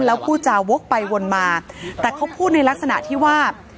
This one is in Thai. แล้วผู้จาวกไปวนมาแต่เขาพูดในลักษณะที่ว่า